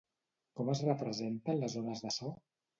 Com es representen les ones de so?